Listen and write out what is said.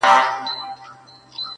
• تر څو نه یو شرمینده تر پاک سبحانه..